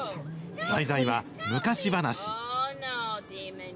題材は、昔話。